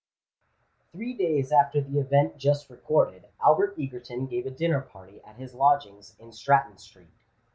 Three days after the event just recorded, Albert Egerton gave a dinner party at his lodgings in Stratton Street.